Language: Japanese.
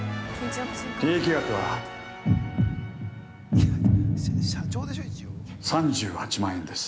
◆利益額は３８万円です。